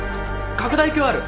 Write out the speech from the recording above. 拡大鏡ある？